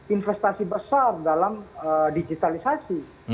investasi besar dalam digitalisasi